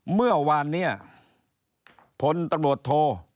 เมื่อวานเนี่ยพลตำรวจโท